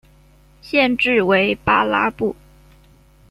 县治为巴拉布。